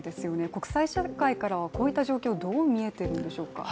国際社会からはこういった状況どう見えてるんでしょうか。